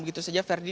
begitu saja ferry